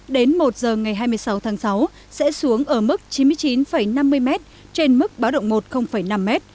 đến một h ngày hai mươi sáu tháng sáu sẽ xuống ở mức chín mươi chín năm mươi m trên mức báo động một năm m